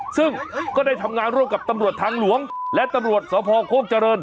ซึ่งก็ได้ทำงานร่วมกับตำรวจทางหลวงและตำรวจสพโคกเจริญ